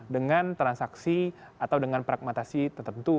dengan transaksi atau dengan pragmatasi tertentu